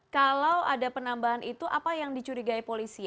kalau ada penambahan itu apa yang dicurigai polisi